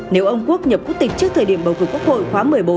nếu ông quốc nhập quốc tịch trước thời điểm bầu cử quốc hội khóa một mươi bốn